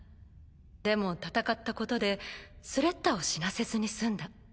でも戦ったことでスレッタを死なせずに済んだ。